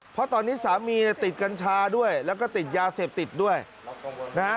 เพราะตอนนี้สามีเนี่ยติดกัญชาด้วยแล้วก็ติดยาเสพติดด้วยนะฮะ